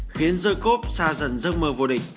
khiến giocop xa dần giấc mơ vô địch